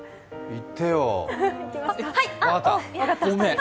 いってよ。